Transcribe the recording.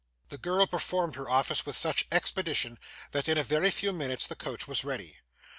The girl performed her office with such expedition, that in a very few minutes the coach was ready.